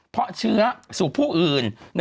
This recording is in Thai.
เพราะเชื้อสู่ผู้อื่น